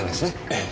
ええ。